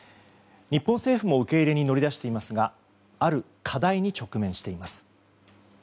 日本政府も受け入れに乗り出していますがある課題に直面しています。